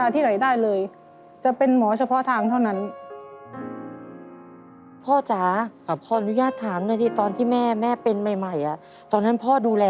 เท็จตัวเท็จอะไรพ่อ